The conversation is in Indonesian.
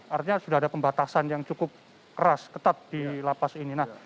artinya sudah ada pembatasan yang cukup keras ketat di lapas ini